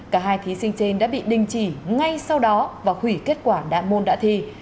cả hai thí sinh trên đã bị đình chỉ ngay sau đó và hủy kết quả đạn môn đã thi